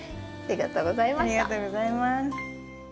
ありがとうございます。